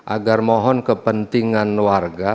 agar mohon kepentingan warga